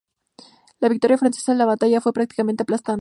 La victoria francesa en la batalla fue prácticamente aplastante.